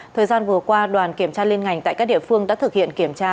thời gian vừa qua đoàn kiểm tra liên ngành tại các địa phương đã thực hiện kiểm tra